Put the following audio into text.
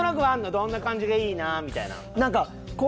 どんな感じがいいなみたいなの。